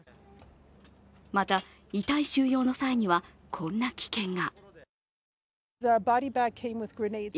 また、遺体収容の際には、こんな危険が。